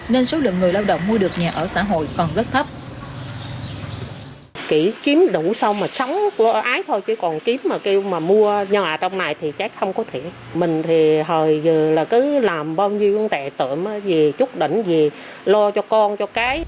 nên số lượng người lao động mua được nhà ở xã hội còn rất thấp